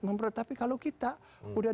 memproteksi tapi kalau kita udah